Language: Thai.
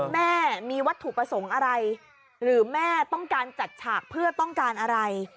แม่มีวัตถุประสงค์อะไรหรือแม่ต้องการจัดฉากเพื่อต้องการอะไร